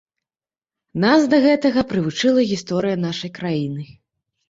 Нас да гэтага прывучыла гісторыя нашай краіны.